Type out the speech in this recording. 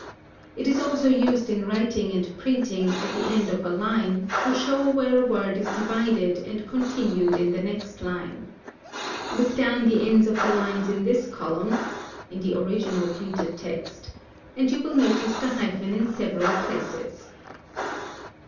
It is also used in writing and printing, at the end of a line, to show where a word is divided and continued in the next line. Look down the ends of the lines in this column, and you will notice the hyphen in several places.